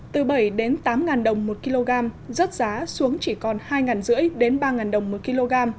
từ bảy tám ngàn đồng một kg rớt giá xuống chỉ còn hai năm trăm linh ba đồng một kg